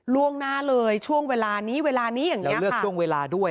ล่วงหน้าเลยช่วงเวลานี้เวลานี้อย่างนี้แล้วเลือกช่วงเวลาด้วย